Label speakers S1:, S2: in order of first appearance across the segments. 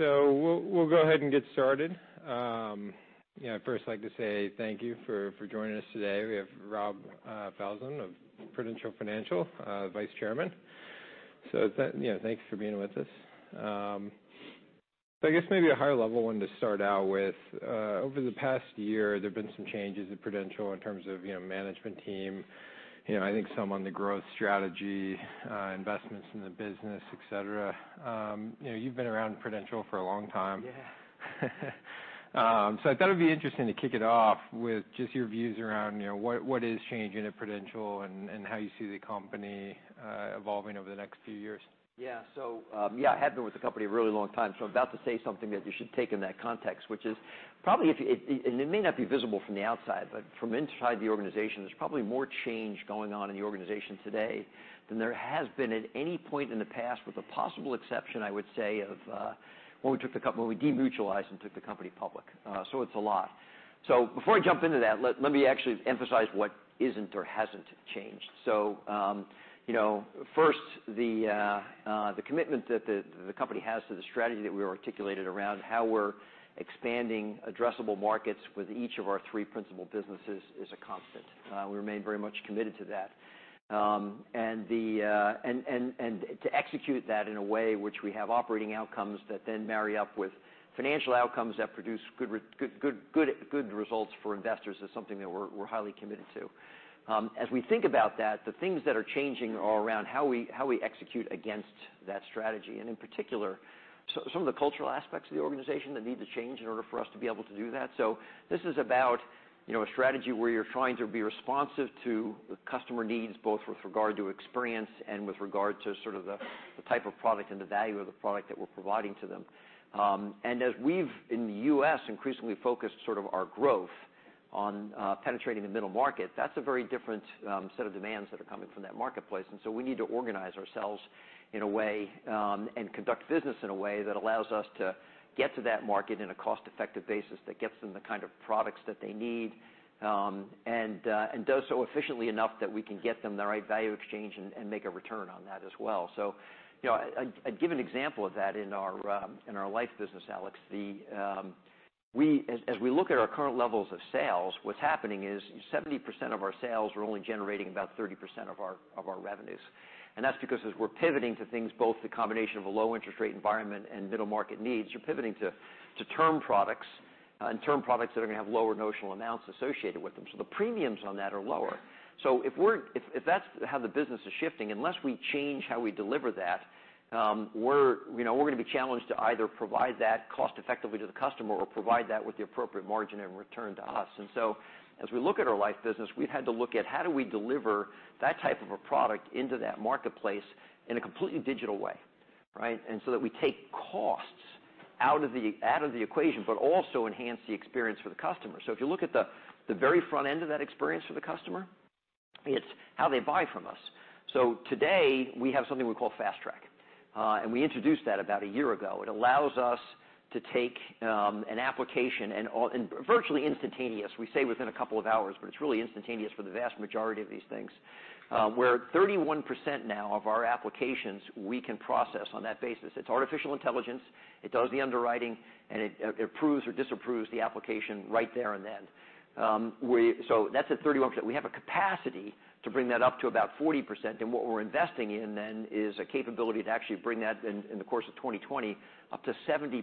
S1: All right, we'll go ahead and get started. I'd first like to say thank you for joining us today. We have Rob Falzon of Prudential Financial, Vice Chairman. Thanks for being with us. I guess maybe a higher level one to start out with, over the past year, there have been some changes at Prudential in terms of management team, I think some on the growth strategy, investments in the business, et cetera. You've been around Prudential for a long time.
S2: Yeah.
S1: I thought it'd be interesting to kick it off with just your views around what is changing at Prudential, and how you see the company evolving over the next few years.
S2: Yeah. I have been with the company a really long time, I'm about to say something that you should take in that context, which is probably, and it may not be visible from the outside, but from inside the organization, there's probably more change going on in the organization today than there has been at any point in the past, with the possible exception, I would say, of when we demutualized and took the company public. It's a lot. Before I jump into that, let me actually emphasize what isn't or hasn't changed. First, the commitment that the company has to the strategy that we articulated around how we're expanding addressable markets with each of our three principal businesses is a constant. We remain very much committed to that. To execute that in a way which we have operating outcomes that then marry up with financial outcomes that produce good results for investors is something that we're highly committed to. As we think about that, the things that are changing are around how we execute against that strategy, and in particular, some of the cultural aspects of the organization that need to change in order for us to be able to do that. This is about a strategy where you're trying to be responsive to the customer needs, both with regard to experience and with regard to sort of the type of product and the value of the product that we're providing to them. As we've, in the U.S., increasingly focused sort of our growth on penetrating the middle market, that's a very different set of demands that are coming from that marketplace. We need to organize ourselves in a way, and conduct business in a way, that allows us to get to that market in a cost-effective basis that gets them the kind of products that they need, and does so efficiently enough that we can get them the right value exchange and make a return on that as well. I'd give an example of that in our life business, Alex. As we look at our current levels of sales, what's happening is 70% of our sales are only generating about 30% of our revenues. That's because as we're pivoting to things, both the combination of a low interest rate environment and middle market needs, you're pivoting to term products, and term products that are going to have lower notional amounts associated with them. The premiums on that are lower. If that's how the business is shifting, unless we change how we deliver that, we're going to be challenged to either provide that cost effectively to the customer or provide that with the appropriate margin and return to us. As we look at our life business, we've had to look at how do we deliver that type of a product into that marketplace in a completely digital way. Right? That we take costs out of the equation, but also enhance the experience for the customer. If you look at the very front end of that experience for the customer, it's how they buy from us. Today, we have something we call Fast Track, and we introduced that about a year ago. It allows us to take an application and, virtually instantaneous, we say within a couple of hours, but it's really instantaneous for the vast majority of these things, where 31% now of our applications we can process on that basis. It's artificial intelligence. It does the underwriting, and it approves or disapproves the application right there and then. That's at 31%. We have a capacity to bring that up to about 40%, and what we're investing in then is a capability to actually bring that, in the course of 2020, up to 70%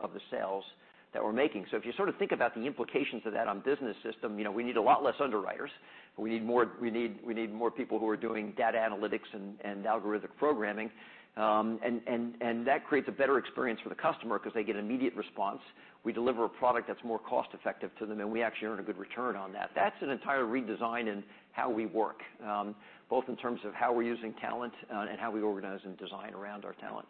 S2: of the sales that we're making. If you sort of think about the implications of that on business system, we need a lot less underwriters. We need more people who are doing data analytics and algorithmic programming. That creates a better experience for the customer because they get immediate response. We deliver a product that's more cost-effective to them, and we actually earn a good return on that. That's an entire redesign in how we work, both in terms of how we're using talent and how we organize and design around our talent.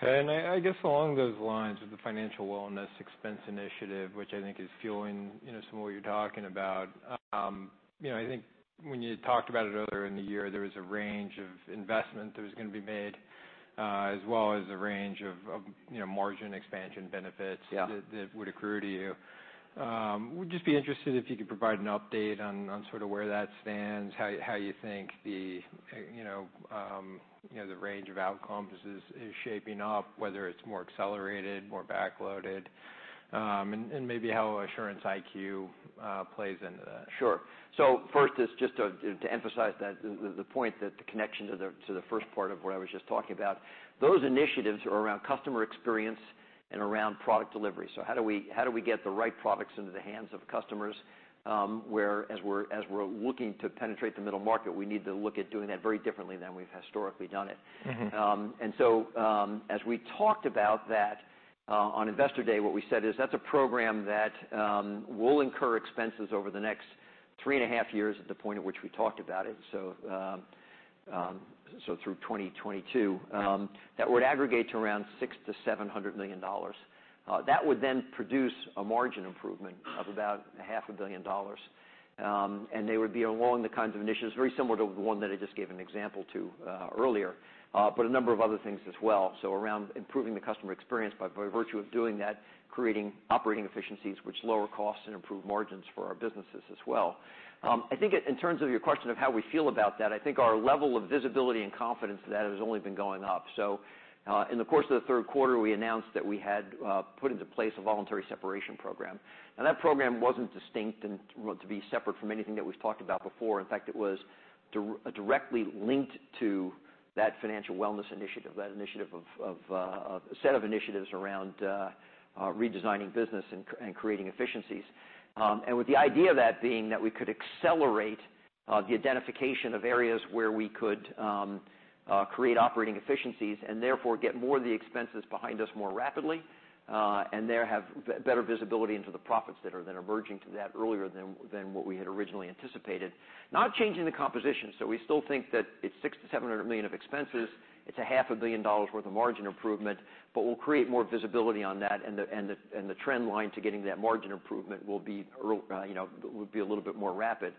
S1: Okay, I guess along those lines with the Financial Wellness Expense Initiative, which I think is fueling some of what you're talking about. I think when you talked about it earlier in the year, there was a range of investment that was going to be made, as well as a range of margin expansion benefits
S2: Yeah
S1: that would accrue to you. I would just be interested if you could provide an update on sort of where that stands, how you think the range of outcomes is shaping up, whether it's more accelerated, more back-loaded, and maybe how Assurance IQ plays into that.
S2: Sure. First is just to emphasize the point that the connection to the first part of what I was just talking about, those initiatives are around customer experience and around product delivery. How do we get the right products into the hands of customers, where as we're looking to penetrate the middle market, we need to look at doing that very differently than we've historically done it. As we talked about that on Investor Day, what we said is that's a program that will incur expenses over the next three and a half years at the point at which we talked about it, so through 2022, that would aggregate to around $600 million-$700 million. That would produce a margin improvement of about half a billion dollars. They would be along the kinds of initiatives very similar to the one that I just gave an example to earlier, but a number of other things as well. Around improving the customer experience, but by virtue of doing that, creating operating efficiencies which lower costs and improve margins for our businesses as well. I think in terms of your question of how we feel about that, I think our level of visibility and confidence for that has only been going up. In the course of the third quarter, we announced that we had put into place a Voluntary Separation Program. That program wasn't distinct and meant to be separate from anything that we've talked about before. In fact, it was directly linked to that Financial Wellness initiative, that set of initiatives around redesigning business and creating efficiencies. With the idea of that being that we could accelerate the identification of areas where we could create operating efficiencies and therefore get more of the expenses behind us more rapidly, and there have better visibility into the profits that are then emerging to that earlier than what we had originally anticipated. Not changing the composition, we still think that it's $600 million-$700 million of expenses, it's a half a billion dollars worth of margin improvement, we'll create more visibility on that and the trend line to getting that margin improvement will be a little bit more rapid.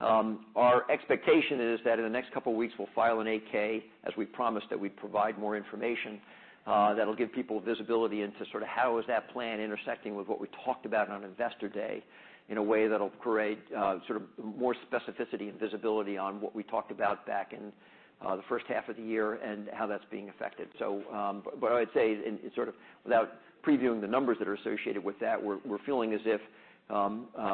S2: Our expectation is that in the next couple of weeks, we'll file an 8-K, as we promised that we'd provide more information that'll give people visibility into sort of how is that plan intersecting with what we talked about on Investor Day in a way that'll create sort of more specificity and visibility on what we talked about back in the first half of the year, and how that's being affected. What I'd say, without previewing the numbers that are associated with that, we're feeling as if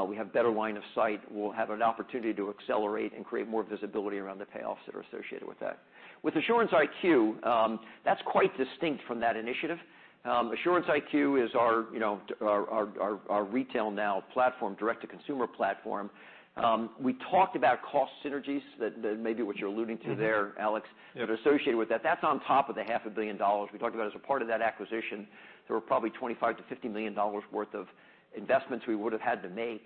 S2: we have better line of sight. We'll have an opportunity to accelerate and create more visibility around the payoffs that are associated with that. With Assurance IQ, that's quite distinct from that initiative. Assurance IQ is our retail now platform, direct-to-consumer platform. We talked about cost synergies that may be what you're alluding to there, Alex.
S1: Mm-hmm. Yep
S2: That are associated with that. That's on top of the half a billion dollars we talked about. As a part of that acquisition, there were probably $25 million-$50 million worth of investments we would've had to make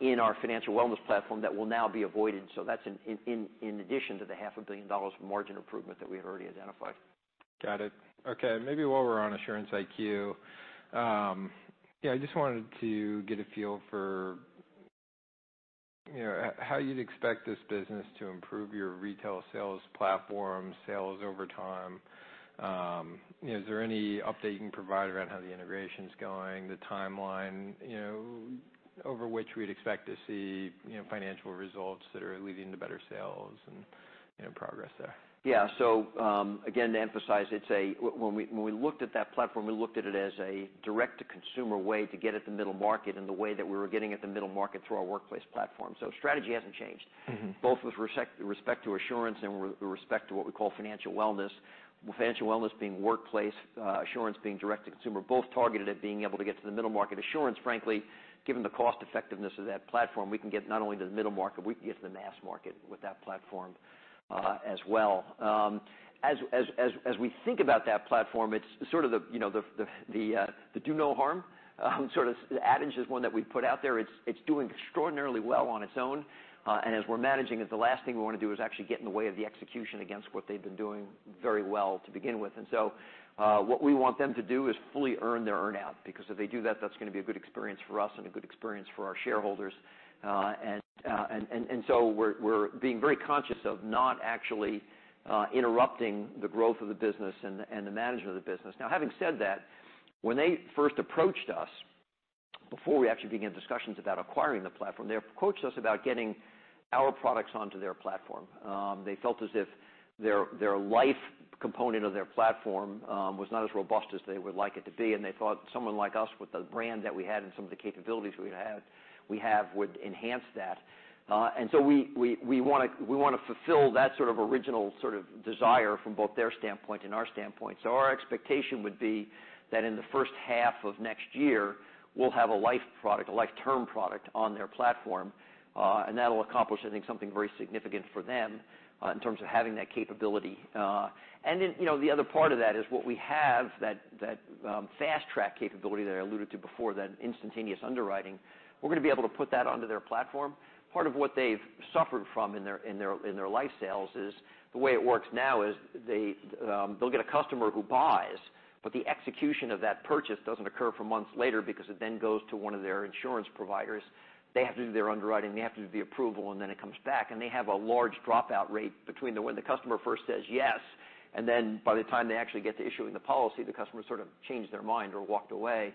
S2: in our financial wellness platform that will now be avoided. That's in addition to the half a billion dollars of margin improvement that we had already identified.
S1: Got it. Okay. Maybe while we're on Assurance IQ, I just wanted to get a feel for how you'd expect this business to improve your retail sales platform, sales over time. Is there any update you can provide around how the integration's going, the timeline over which we'd expect to see financial results that are leading to better sales and progress there?
S2: Yeah. Again, to emphasize, when we looked at that platform, we looked at it as a direct-to-consumer way to get at the middle market in the way that we were getting at the middle market through our workplace platform. Strategy hasn't changed. Both with respect to Assurance and with respect to what we call financial wellness, with financial wellness being workplace, Assurance being direct-to-consumer, both targeted at being able to get to the middle market. Assurance, frankly, given the cost effectiveness of that platform, we can get not only to the middle market, we can get to the mass market with that platform as well. As we think about that platform, it's sort of the do no harm adage is one that we've put out there. It's doing extraordinarily well on its own. As we're managing it, the last thing we want to do is actually get in the way of the execution against what they've been doing very well to begin with. What we want them to do is fully earn their earn-out, because if they do that's going to be a good experience for us and a good experience for our shareholders. We're being very conscious of not actually interrupting the growth of the business and the management of the business. Now, having said that, when they first approached us, before we actually began discussions about acquiring the platform, they approached us about getting our products onto their platform. They felt as if their life component of their platform was not as robust as they would like it to be, and they thought someone like us with the brand that we had and some of the capabilities we have would enhance that. We want to fulfill that sort of original desire from both their standpoint and our standpoint. Our expectation would be that in the first half of next year, we'll have a life product, a life term product on their platform. That'll accomplish, I think, something very significant for them in terms of having that capability. The other part of that is what we have, that PruFast Track capability that I alluded to before, that instantaneous underwriting, we're going to be able to put that onto their platform. Part of what they've suffered from in their life sales is the way it works now is they'll get a customer who buys, but the execution of that purchase doesn't occur for months later because it then goes to one of their insurance providers. They have to do their underwriting, they have to do the approval, and then it comes back, and they have a large dropout rate between when the customer first says yes, and then by the time they actually get to issuing the policy, the customer sort of changed their mind or walked away.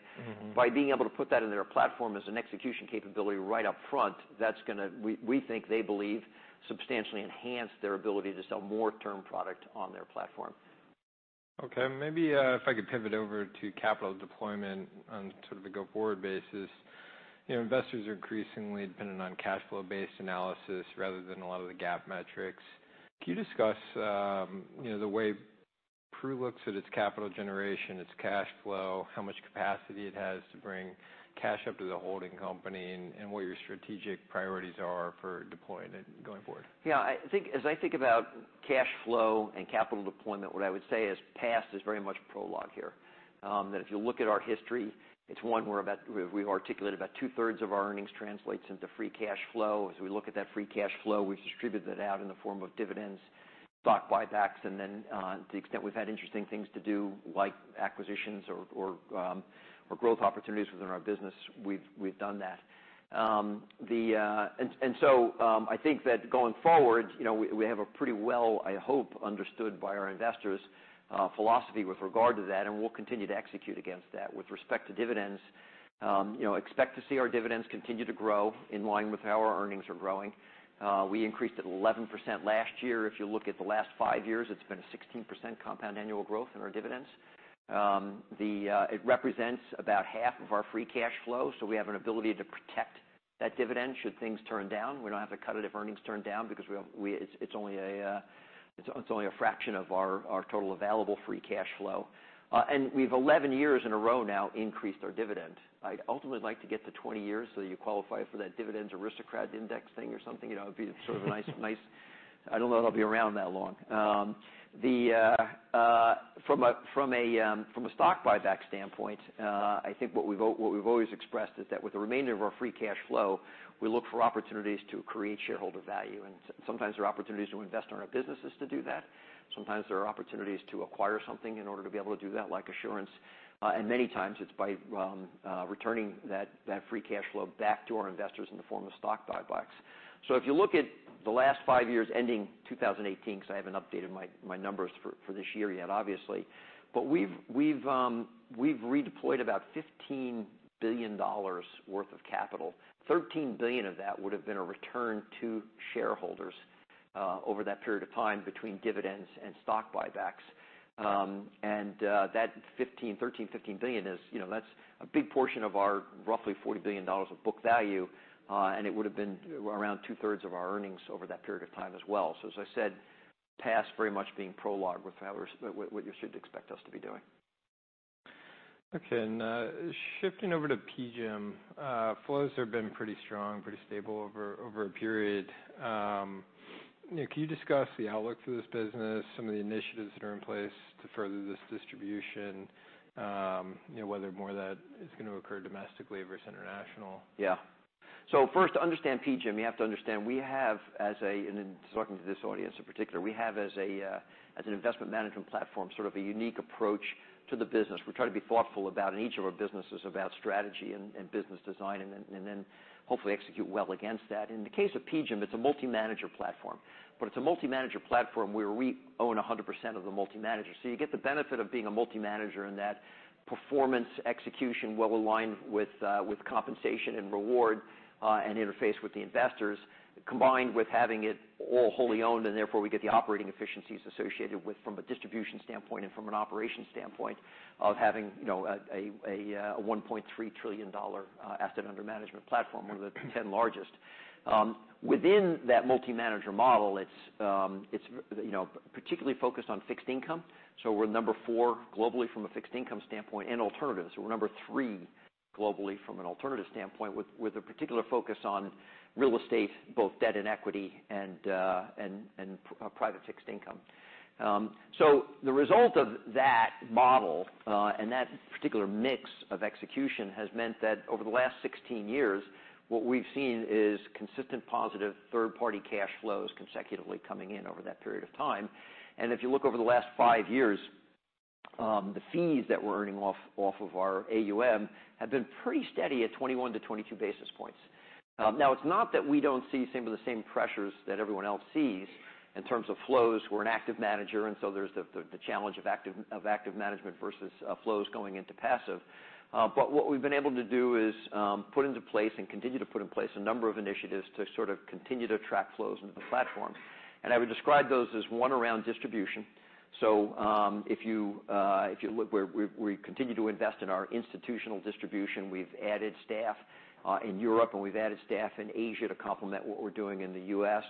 S2: By being able to put that into their platform as an execution capability right up front, that's going to, we think they believe, substantially enhance their ability to sell more term product on their platform.
S1: Okay. Maybe if I could pivot over to capital deployment on sort of the go-forward basis. Investors are increasingly dependent on cash flow based analysis rather than a lot of the GAAP metrics. Can you discuss the way Pru looks at its capital generation, its cash flow, how much capacity it has to bring cash up to the holding company, and what your strategic priorities are for deploying it going forward?
S2: Yeah. As I think about cash flow and capital deployment, what I would say is past is very much prologue here. If you look at our history, it's one where we've articulated about two-thirds of our earnings translates into free cash flow. As we look at that free cash flow, we've distributed that out in the form of dividends. Stock buybacks, to the extent we've had interesting things to do, like acquisitions or growth opportunities within our business, we've done that. I think that going forward, we have a pretty well, I hope, understood by our investors philosophy with regard to that, and we'll continue to execute against that. With respect to dividends, expect to see our dividends continue to grow in line with how our earnings are growing. We increased it 11% last year. If you look at the last five years, it's been a 16% compound annual growth in our dividends. It represents about half of our free cash flow, so we have an ability to protect that dividend should things turn down. We don't have to cut it if earnings turn down because it's only a fraction of our total available free cash flow. We've 11 years in a row now increased our dividend. I'd ultimately like to get to 20 years so you qualify for that Dividend Aristocrat index thing or something. It'd be sort of nice. I don't know that I'll be around that long. From a stock buyback standpoint, I think what we've always expressed is that with the remainder of our free cash flow, we look for opportunities to create shareholder value, and sometimes there are opportunities to invest in our businesses to do that. Sometimes there are opportunities to acquire something in order to be able to do that, like Assurance. Many times it's by returning that free cash flow back to our investors in the form of stock buybacks. If you look at the last five years ending 2018, because I haven't updated my numbers for this year yet, obviously. We've redeployed about $15 billion worth of capital. $13 billion of that would've been a return to shareholders over that period of time between dividends and stock buybacks. That $13 billion, $15 billion is a big portion of our roughly $40 billion of book value. It would've been around two-thirds of our earnings over that period of time as well. As I said, past very much being prologue with what you should expect us to be doing.
S1: Okay. Shifting over to PGIM. Flows there have been pretty strong, pretty stable over a period. Can you discuss the outlook for this business, some of the initiatives that are in place to further this distribution, whether more of that is going to occur domestically versus international?
S2: Yeah. First, to understand PGIM, you have to understand we have, in talking to this audience in particular, we have as an investment management platform, sort of a unique approach to the business. We try to be thoughtful in each of our businesses about strategy and business design, hopefully execute well against that. In the case of PGIM, it's a multi-manager platform. It's a multi-manager platform where we own 100% of the multi-manager. You get the benefit of being a multi-manager in that performance execution well-aligned with compensation and reward, and interface with the investors, combined with having it all wholly owned, and therefore we get the operating efficiencies associated with from a distribution standpoint and from an operations standpoint of having a $1.3 trillion asset under management platform, one of the 10 largest. Within that multi-manager model, it's particularly focused on fixed income. We're number four globally from a fixed income standpoint. Alternatives, we're number three globally from an alternatives standpoint, with a particular focus on real estate, both debt and equity, and private fixed income. The result of that model, and that particular mix of execution has meant that over the last 16 years, what we've seen is consistent positive third-party cash flows consecutively coming in over that period of time. If you look over the last five years, the fees that we're earning off of our AUM have been pretty steady at 21 to 22 basis points. It's not that we don't see some of the same pressures that everyone else sees in terms of flows. We're an active manager, there's the challenge of active management versus flows going into passive. What we've been able to do is put into place and continue to put in place a number of initiatives to sort of continue to attract flows into the platform. I would describe those as, one, around distribution. If you look where we continue to invest in our institutional distribution. We've added staff in Europe, and we've added staff in Asia to complement what we're doing in the U.S.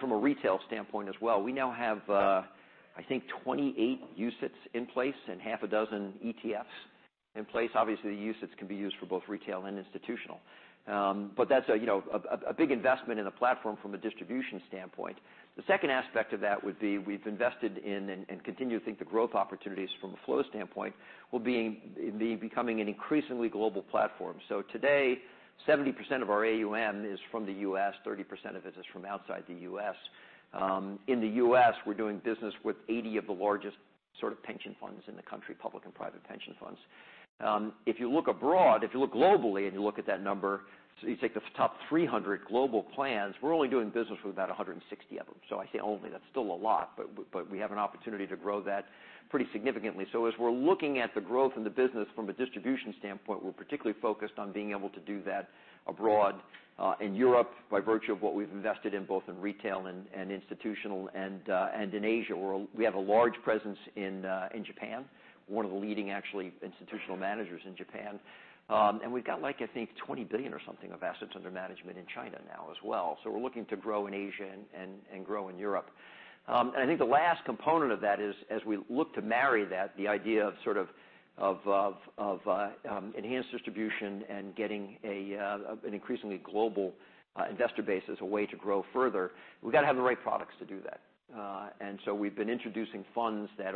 S2: From a retail standpoint as well, we now have, I think, 28 UCITS in place and half a dozen ETFs in place. Obviously, the UCITS can be used for both retail and institutional. That's a big investment in the platform from a distribution standpoint. The second aspect of that would be we've invested in and continue to think the growth opportunities from a flow standpoint will be becoming an increasingly global platform. Today, 70% of our AUM is from the U.S., 30% of it is from outside the U.S. In the U.S., we're doing business with 80 of the largest pension funds in the country, public and private pension funds. If you look abroad, if you look globally and you look at that number, you take the top 300 global plans, we're only doing business with about 160 of them. I say only, that's still a lot, but we have an opportunity to grow that pretty significantly. As we're looking at the growth in the business from a distribution standpoint, we're particularly focused on being able to do that abroad in Europe by virtue of what we've invested in both in retail and institutional, and in Asia, where we have a large presence in Japan, one of the leading actually institutional managers in Japan. We've got I think $20 billion or something of assets under management in China now as well. We're looking to grow in Asia and grow in Europe. I think the last component of that is as we look to marry that, the idea of enhanced distribution and getting an increasingly global investor base as a way to grow further, we've got to have the right products to do that. We've been introducing funds that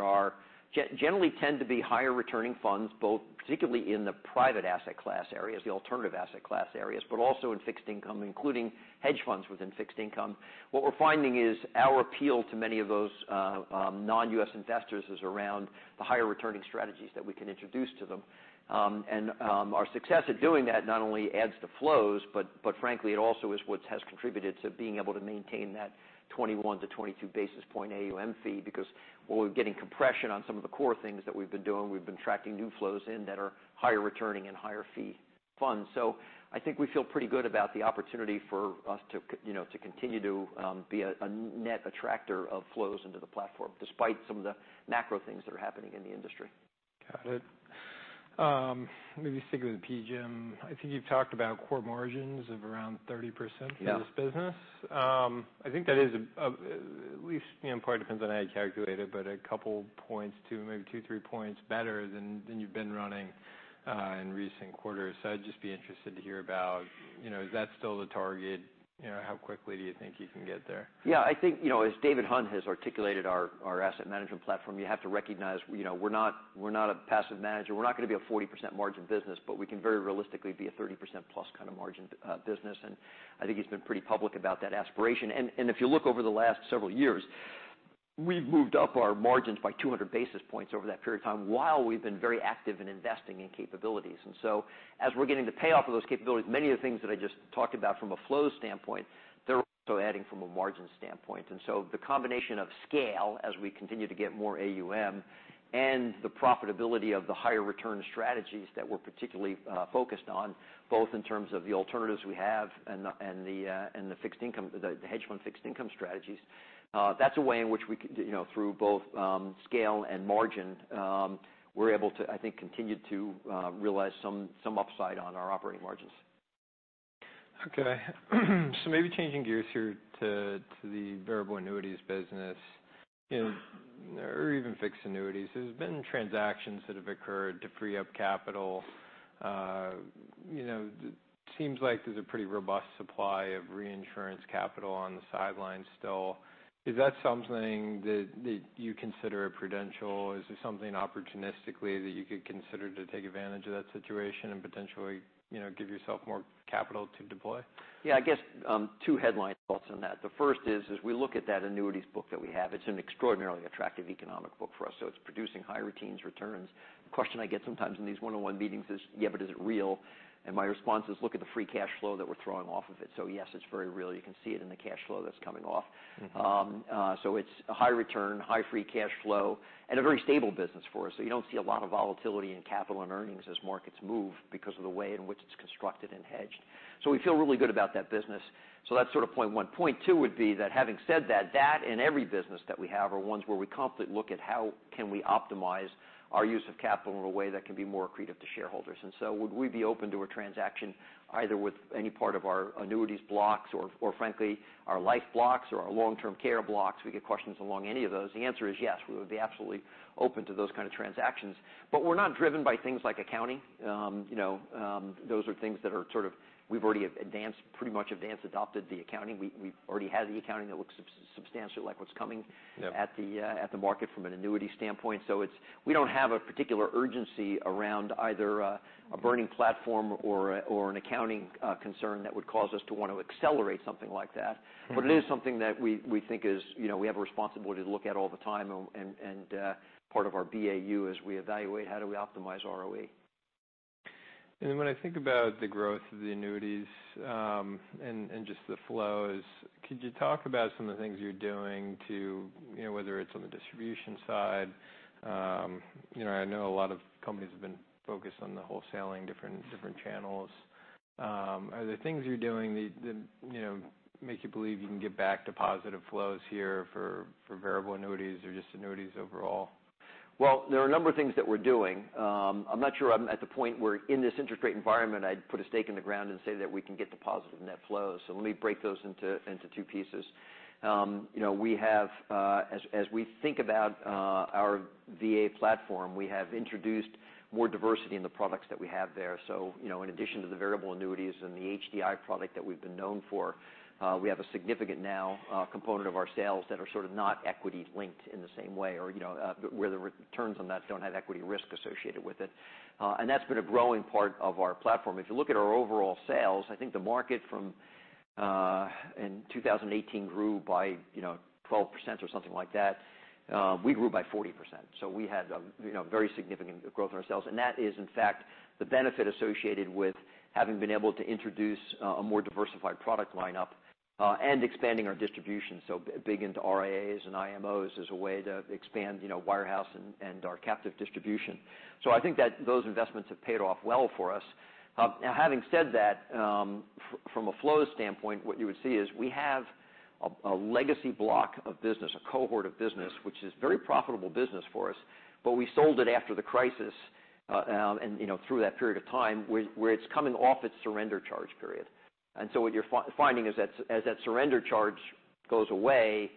S2: generally tend to be higher returning funds, both particularly in the private asset class areas, the alternative asset class areas, but also in fixed income, including hedge funds within fixed income. What we're finding is our appeal to many of those non-U.S. investors is around the higher returning strategies that we can introduce to them. Our success at doing that not only adds to flows, but frankly, it also is what has contributed to being able to maintain that 21 to 22 basis point AUM fee because while we're getting compression on some of the core things that we've been doing, we've been tracking new flows in that are higher returning and higher fee funds. I think we feel pretty good about the opportunity for us to continue to be a net attractor of flows into the platform, despite some of the macro things that are happening in the industry.
S1: Got it. Maybe sticking with the PGIM. I think you've talked about core margins of around 30% for this business.
S2: Yeah.
S1: I think that is, at least, probably depends on how you calculate it, but a couple points, maybe two, three points better than you've been running in recent quarters. I'd just be interested to hear about is that still the target? How quickly do you think you can get there?
S2: Yeah. I think, as David Hunt has articulated our asset management platform, you have to recognize we're not a passive manager. We're not going to be a 40% margin business, but we can very realistically be a 30% plus kind of margin business, and I think he's been pretty public about that aspiration. If you look over the last several years, we've moved up our margins by 200 basis points over that period of time, while we've been very active in investing in capabilities. As we're getting the payoff of those capabilities, many of the things that I just talked about from a flows standpoint, they're also adding from a margin standpoint. The combination of scale as we continue to get more AUM and the profitability of the higher return strategies that we're particularly focused on, both in terms of the alternatives we have and the hedge fund fixed income strategies. That's a way in which we could, through both scale and margin, we're able to, I think, continue to realize some upside on our operating margins.
S1: Okay. Maybe changing gears here to the variable annuities business or even fixed annuities. There's been transactions that have occurred to free up capital. Seems like there's a pretty robust supply of reinsurance capital on the sidelines still. Is that something that you consider at Prudential? Is it something opportunistically that you could consider to take advantage of that situation and potentially give yourself more capital to deploy?
S2: Yeah, I guess two headline thoughts on that. The first is, as we look at that annuities book that we have, it's an extraordinarily attractive economic book for us. It's producing high returns. The question I get sometimes in these one-on-one meetings is, "Yeah, but is it real?" And my response is, "Look at the free cash flow that we're throwing off of it." Yes, it's very real. You can see it in the cash flow that's coming off. It's a high return, high free cash flow, and a very stable business for us. You don't see a lot of volatility in capital and earnings as markets move because of the way in which it's constructed and hedged. We feel really good about that business. That's point one. Point two would be that having said that and every business that we have are ones where we constantly look at how can we optimize our use of capital in a way that can be more accretive to shareholders. Would we be open to a transaction either with any part of our annuities blocks or frankly, our life blocks or our long-term care blocks? We get questions along any of those. The answer is yes, we would be absolutely open to those kind of transactions. We're not driven by things like accounting. Those are things that are, we've already pretty much advance adopted the accounting. We've already had the accounting that looks substantially like what's coming-
S1: Yeah
S2: at the market from an annuity standpoint. We don't have a particular urgency around either a burning platform or an accounting concern that would cause us to want to accelerate something like that. It is something that we think we have a responsibility to look at all the time and part of our BAU as we evaluate how do we optimize ROE.
S1: When I think about the growth of the annuities, and just the flows, could you talk about some of the things you're doing to, whether it's on the distribution side. I know a lot of companies have been focused on the wholesaling different channels. Are there things you're doing that make you believe you can get back to positive flows here for variable annuities or just annuities overall?
S2: There are a number of things that we're doing. I'm not sure I'm at the point where in this interest rate environment, I'd put a stake in the ground and say that we can get to positive net flows. Let me break those into two pieces. As we think about our VA platform, we have introduced more diversity in the products that we have there. In addition to the variable annuities and the HDI product that we've been known for, we have a significant now component of our sales that are sort of not equity linked in the same way, or where the returns on that don't have equity risk associated with it. That's been a growing part of our platform. If you look at our overall sales, I think the market in 2018 grew by 12% or something like that. We grew by 40%. We had very significant growth in our sales. That is, in fact, the benefit associated with having been able to introduce a more diversified product lineup, and expanding our distribution so big into RIAs and IMOs as a way to expand Wirehouse and our captive distribution. I think that those investments have paid off well for us. Now, having said that, from a flows standpoint, what you would see is we have a legacy block of business, a cohort of business, which is very profitable business for us, but we sold it after the crisis, and through that period of time where it's coming off its surrender charge period. What you're finding is that as that surrender charge goes away,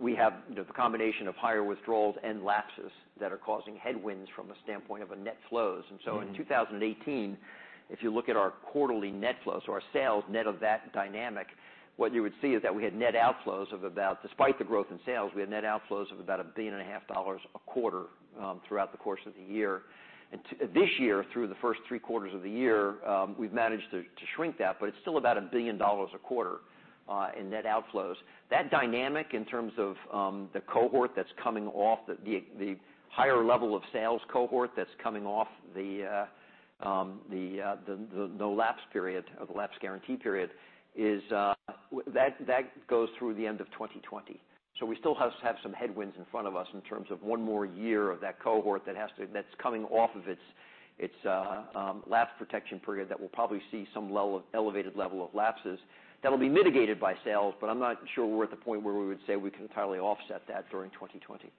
S2: we have the combination of higher withdrawals and lapses that are causing headwinds from a standpoint of a net flows. In 2018, if you look at our quarterly net flows or our sales net of that dynamic, what you would see is that we had net outflows of about, despite the growth in sales, we had net outflows of about a billion and a half dollars a quarter throughout the course of the year. This year, through the first three quarters of the year, we've managed to shrink that, but it's still about $1 billion a quarter in net outflows. That dynamic in terms of the cohort that's coming off, the higher level of sales cohort that's coming off the lapse guarantee period, that goes through the end of 2020. We still have some headwinds in front of us in terms of one more year of that cohort that's coming off of its lapse protection period that we'll probably see some elevated level of lapses. That'll be mitigated by sales, but I'm not sure we're at the point where we would say we can entirely offset that during 2020.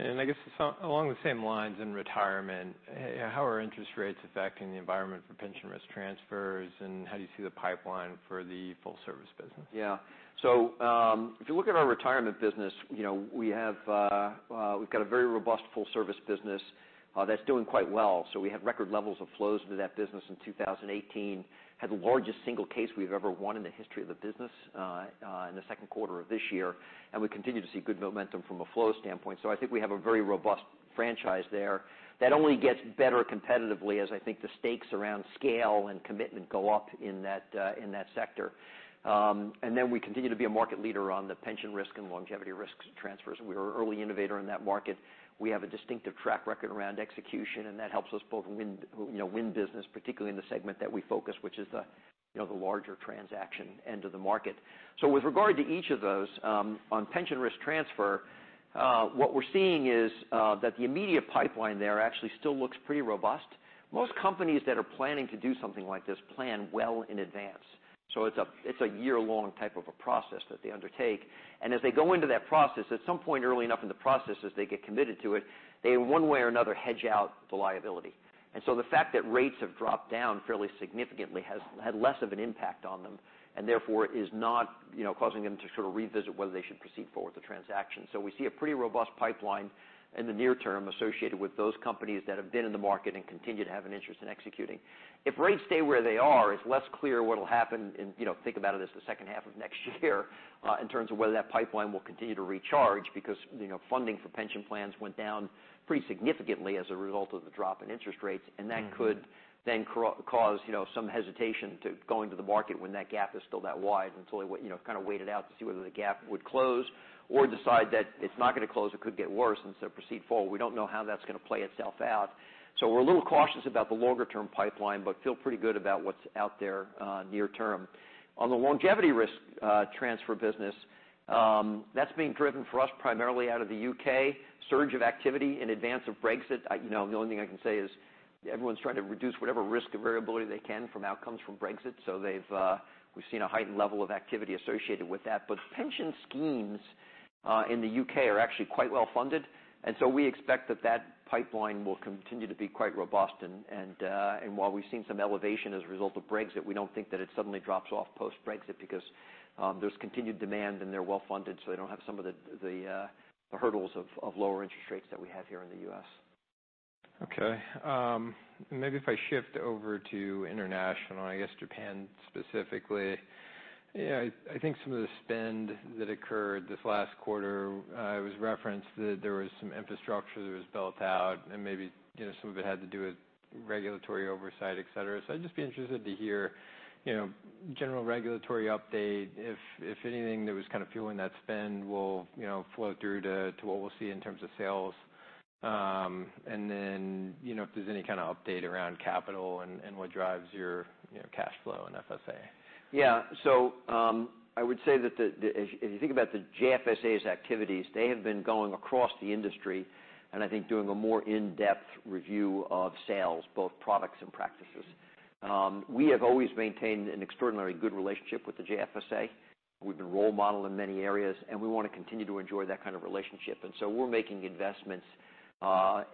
S1: I guess along the same lines in retirement, how are interest rates affecting the environment for pension risk transfers, and how do you see the pipeline for the full service business?
S2: If you look at our retirement business, we've got a very robust full service business that's doing quite well. We had record levels of flows into that business in 2018, had the largest single case we've ever won in the history of the business in the second quarter of this year, and we continue to see good momentum from a flow standpoint. I think we have a very robust franchise there that only gets better competitively as I think the stakes around scale and commitment go up in that sector. We continue to be a market leader on the pension risk and longevity risk transfers. We were an early innovator in that market. We have a distinctive track record around execution, and that helps us both win business, particularly in the segment that we focus, which is the larger transaction end of the market. With regard to each of those, on pension risk transfer, what we're seeing is that the immediate pipeline there actually still looks pretty robust. Most companies that are planning to do something like this plan well in advance. It's a year-long type of a process that they undertake, and as they go into that process, at some point early enough in the process as they get committed to it, they in one way or another hedge out the liability. The fact that rates have dropped down fairly significantly has had less of an impact on them, and therefore is not causing them to sort of revisit whether they should proceed forward with the transaction. We see a pretty robust pipeline in the near term associated with those companies that have been in the market and continue to have an interest in executing. If rates stay where they are, it's less clear what'll happen in, think about it as the second half of next year, in terms of whether that pipeline will continue to recharge, because funding for pension plans went down pretty significantly as a result of the drop in interest rates. That could then cause some hesitation to go into the market when that gap is still that wide until you kind of wait it out to see whether the gap would close or decide that it's not going to close, it could get worse, and so proceed forward. We don't know how that's going to play itself out, so we're a little cautious about the longer-term pipeline, but feel pretty good about what's out there near term. On the longevity risk transfer business, that's being driven for us primarily out of the U.K. Surge of activity in advance of Brexit. The only thing I can say is everyone's trying to reduce whatever risk or variability they can from outcomes from Brexit, so we've seen a heightened level of activity associated with that. Pension schemes in the U.K. are actually quite well-funded, and so we expect that pipeline will continue to be quite robust. While we've seen some elevation as a result of Brexit, we don't think that it suddenly drops off post-Brexit because there's continued demand and they're well-funded, so they don't have some of the hurdles of lower interest rates that we have here in the U.S.
S1: Okay. Maybe if I shift over to international, I guess Japan specifically. I think some of the spend that occurred this last quarter, it was referenced that there was some infrastructure that was built out and maybe some of it had to do with regulatory oversight, et cetera. I'd just be interested to hear general regulatory update, if anything that was kind of fueling that spend will flow through to what we'll see in terms of sales. Then if there's any kind of update around capital and what drives your cash flow in JFSA.
S2: I would say that if you think about the JFSA's activities, they have been going across the industry, and I think doing a more in-depth review of sales, both products and practices. We have always maintained an extraordinarily good relationship with the JFSA. We've been role model in many areas, and we want to continue to enjoy that kind of relationship. We're making investments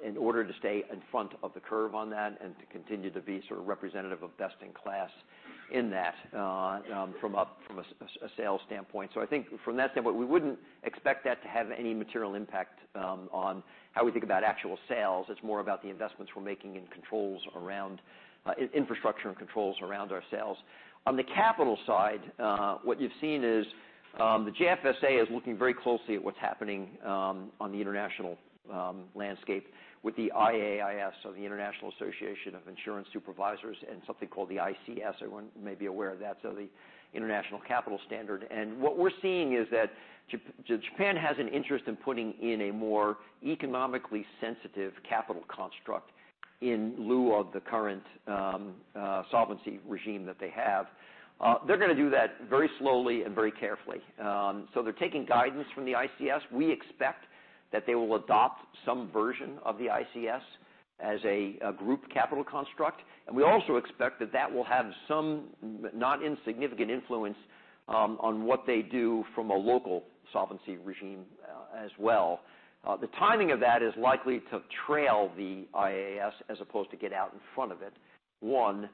S2: in order to stay in front of the curve on that and to continue to be sort of representative of best in class in that from a sales standpoint. I think from that standpoint, we wouldn't expect that to have any material impact on how we think about actual sales. It's more about the investments we're making in infrastructure and controls around our sales. On the capital side, what you've seen is the JFSA is looking very closely at what's happening on the international landscape with the IAIS, so the International Association of Insurance Supervisors, and something called the ICS. Everyone may be aware of that, so the International Capital Standard. What we're seeing is that Japan has an interest in putting in a more economically sensitive capital construct in lieu of the current solvency regime that they have. They're going to do that very slowly and very carefully. They're taking guidance from the ICS. We expect that they will adopt some version of the ICS as a group capital construct, and we also expect that that will have some not insignificant influence on what they do from a local solvency regime as well. The timing of that is likely to trail the IAIS as opposed to get out in front of it, one.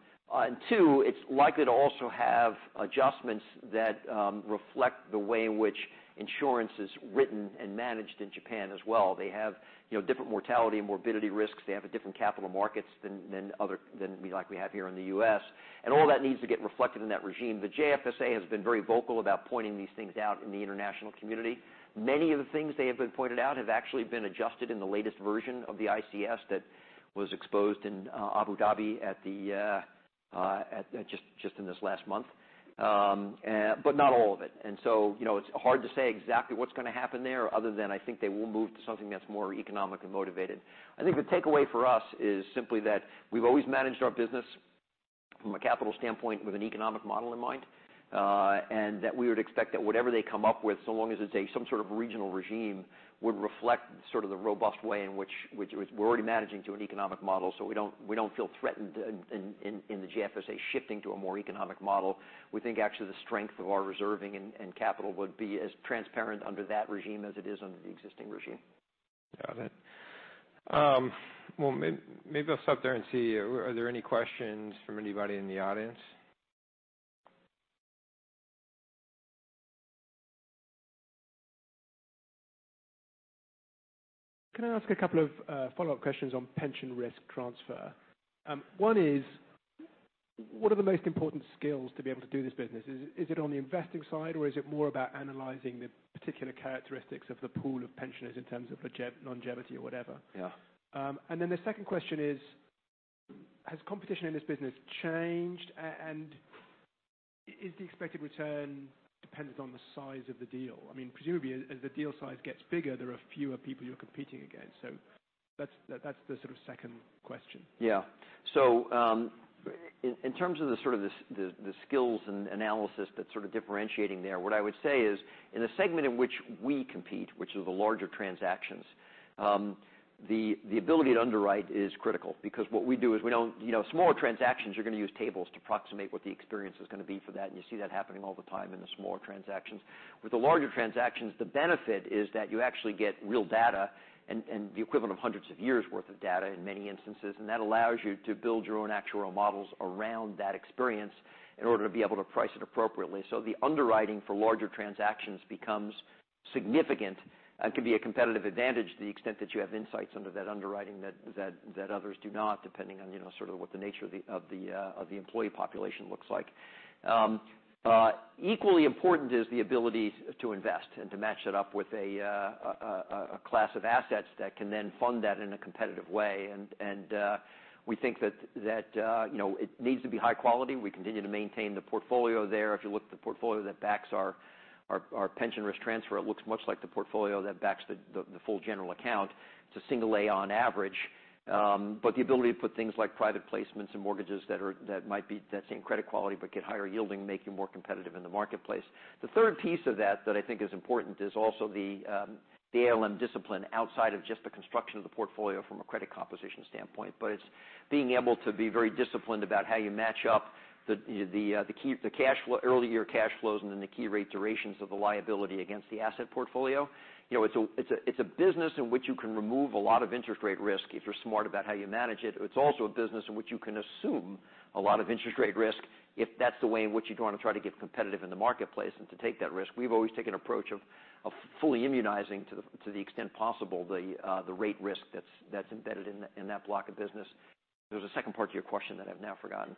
S2: Two, it's likely to also have adjustments that reflect the way in which insurance is written and managed in Japan as well. They have different mortality and morbidity risks. They have a different capital markets than like we have here in the U.S., and all that needs to get reflected in that regime. The JFSA has been very vocal about pointing these things out in the international community. Many of the things they have pointed out have actually been adjusted in the latest version of the ICS that was exposed in Abu Dhabi just in this last month. Not all of it. It's hard to say exactly what's going to happen there other than I think they will move to something that's more economically motivated. I think the takeaway for us is simply that we've always managed our business from a capital standpoint with an economic model in mind, and that we would expect that whatever they come up with, so long as it's some sort of regional regime, would reflect sort of the robust way in which we're already managing to an economic model. We don't feel threatened in the JFSA shifting to a more economic model. We think actually the strength of our reserving and capital would be as transparent under that regime as it is under the existing regime.
S1: Got it. Maybe I'll stop there and see are there any questions from anybody in the audience?
S3: Can I ask a couple of follow-up questions on pension risk transfer? One is, what are the most important skills to be able to do this business? Is it on the investing side or is it more about analyzing the particular characteristics of the pool of pensioners in terms of longevity or whatever?
S2: Yeah.
S3: The second question is, has competition in this business changed and is the expected return dependent on the size of the deal? Presumably, as the deal size gets bigger, there are fewer people you're competing against. That's the sort of second question.
S2: Yeah. In terms of the skills and analysis that's differentiating there, what I would say is in the segment in which we compete, which are the larger transactions, the ability to underwrite is critical because what we do is Smaller transactions, you're going to use tables to approximate what the experience is going to be for that, and you see that happening all the time in the smaller transactions. With the larger transactions, the benefit is that you actually get real data and the equivalent of hundreds of years worth of data in many instances, and that allows you to build your own actuarial models around that experience in order to be able to price it appropriately. The underwriting for larger transactions becomes significant and can be a competitive advantage to the extent that you have insights under that underwriting that others do not, depending on what the nature of the employee population looks like. Equally important is the ability to invest and to match that up with a class of assets that can then fund that in a competitive way. We think that it needs to be high quality. We continue to maintain the portfolio there. If you look at the portfolio that backs our pension risk transfer, it looks much like the portfolio that backs the full general account. It's a single A on average. The ability to put things like private placements and mortgages that seem credit quality but get higher yielding make you more competitive in the marketplace. The third piece of that that I think is important is also the ALM discipline outside of just the construction of the portfolio from a credit composition standpoint. It's being able to be very disciplined about how you match up the early year cash flows and then the key rate durations of the liability against the asset portfolio. It's a business in which you can remove a lot of interest rate risk if you're smart about how you manage it. It's also a business in which you can assume a lot of interest rate risk if that's the way in which you're going to try to get competitive in the marketplace and to take that risk. We've always taken an approach of fully immunizing to the extent possible the rate risk that's embedded in that block of business. There was a second part to your question that I've now forgotten.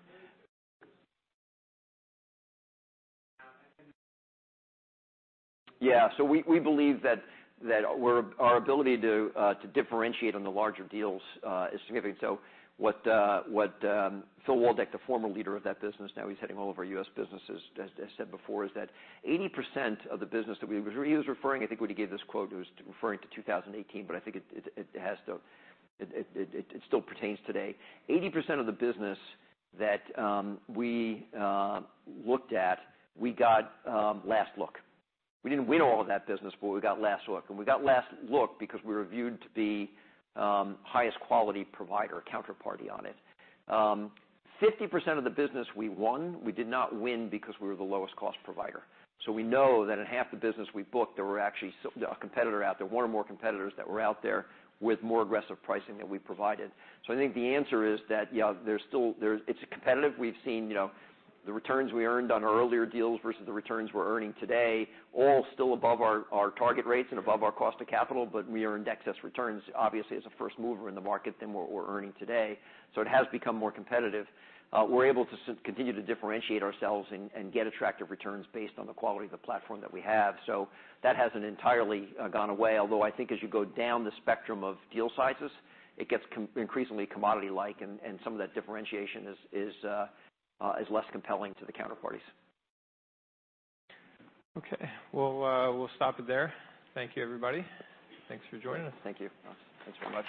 S2: We believe that our ability to differentiate on the larger deals is significant. What Phil Waldeck, the former leader of that business, now he's heading all of our U.S. businesses, as I said before, is that, I think when he gave this quote, he was referring to 2018, but I think it still pertains today, 80% of the business that we looked at, we got last look. We didn't win all of that business, but we got last look. We got last look because we were viewed to be highest quality provider counterparty on it. 50% of the business we won, we did not win because we were the lowest cost provider. We know that in half the business we booked, there were actually a competitor out there, one or more competitors that were out there with more aggressive pricing than we provided. I think the answer is that it's competitive. We've seen the returns we earned on our earlier deals versus the returns we're earning today, all still above our target rates and above our cost of capital, but we earned excess returns, obviously as a first mover in the market than what we're earning today. It has become more competitive. We're able to continue to differentiate ourselves and get attractive returns based on the quality of the platform that we have. That hasn't entirely gone away. I think as you go down the spectrum of deal sizes, it gets increasingly commodity-like and some of that differentiation is less compelling to the counterparties.
S1: Okay. Well, we'll stop it there. Thank you everybody. Thanks for joining us.
S2: Thank you. Thanks very much.